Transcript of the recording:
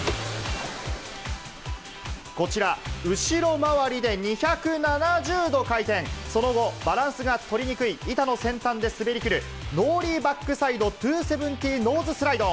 こちら、後ろ回りで２７０度回転、その後、バランスが取りにくい板の先端で滑りきるノーリーバックサイド２７０ノーズスライド。